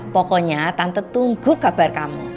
pokoknya tante tunggu kabar kamu